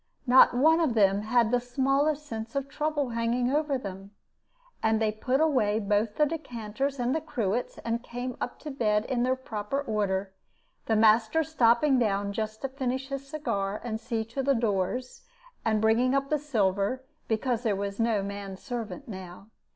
Not one of them had the smallest sense of trouble hanging over them; and they put away both the decanters and cruets, and came up to bed in their proper order, the master stopping down just to finish his cigar and see to the doors and the bringing up the silver, because there was no man servant now.